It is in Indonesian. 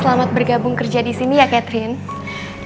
selamat bergabung kerja disini ya catherine